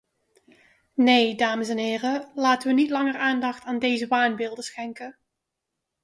Nee, dames en heren, laten we niet langer aandacht aan deze waanbeelden schenken.